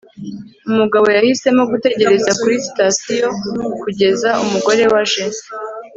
umugabo yahisemo gutegereza kuri sitasiyo kugeza umugore we aje